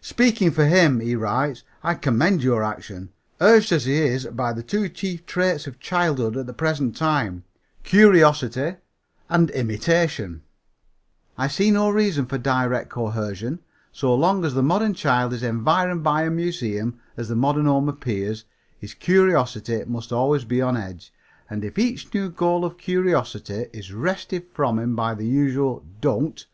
"Speaking for him," he writes, "I commend your action. Urged as he is by the two chief traits of childhood, at the present time curiosity and imitation I see no reason for direct coercion. So long as the modern child is environed by a museum, as the modern home appears, his curiosity must always be on edge, and if each new goal of curiosity is wrested from him by the usual 'Don't!'